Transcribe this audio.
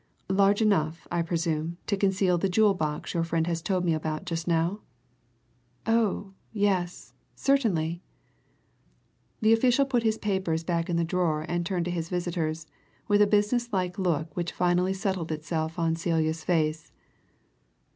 "Large enough, I presume, to conceal the jewel box your friend has told me about just now?" "Oh, yes certainly!" The official put his papers back in the drawer and turned to his visitors with a business like look which finally settled itself on Celia's face.